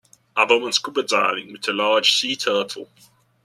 A woman scuba diving with a large sea turtle.